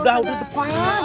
udah aku depan